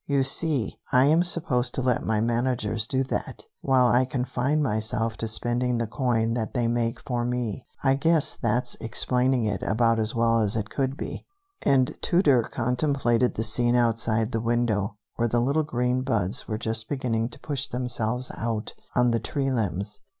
You see, I am supposed to let my managers do that, while I confine myself to spending the coin that they make for me. I guess that's explaining it about as well as it could be." And Tooter contemplated the scene outside the window, where the little green buds were just beginning to push themselves out on the tree limbs.